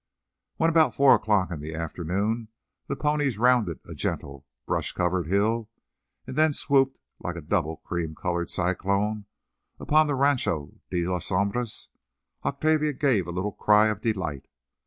When, about four o'clock in the afternoon, the ponies rounded a gentle, brush covered hill, and then swooped, like a double cream coloured cyclone, upon the Rancho de las Sombras, Octavia gave a little cry of delight.